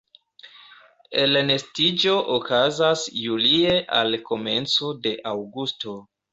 Elnestiĝo okazas julie al komenco de aŭgusto.